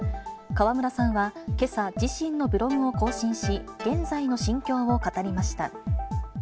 川村さんはけさ、自身のブログを更新し、現在の心境を語りました。